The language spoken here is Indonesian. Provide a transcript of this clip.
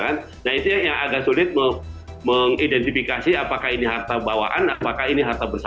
nah itu yang agak sulit mengidentifikasi apakah ini harta bawaan apakah ini harta bersama